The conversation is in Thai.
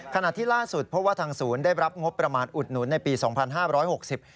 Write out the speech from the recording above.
ขณะที่ล่าสุดเพราะว่าทางศูนย์ได้รับงบประมาณอุดหนุนในปีสองพันห้าร้อยหกสิบ